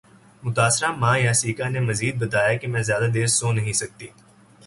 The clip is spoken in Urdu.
متاثرہ ماں یاسیکا نے مزید بتایا کہ میں زیادہ دیر سو نہیں سکتی